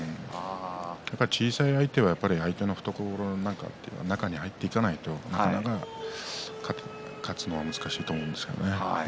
小さい相手は相手の懐の中に入っていかないとなかなか勝つのは難しいと思います。